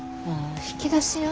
引き出し屋？